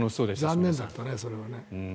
残念だったね、それはね。